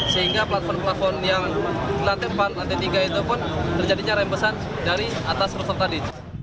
sehingga platform platform yang lantai empat lantai tiga itu pun terjadinya rembesan dari atas ruffer tadi